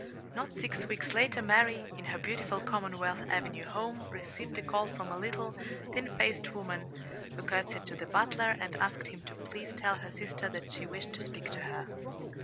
Not six weeks later Mary, in her beautiful Commonwealth Avenue home, received a call from a little, thin faced woman, who curtsied to the butler and asked him to please tell her sister that she wished to speak to her.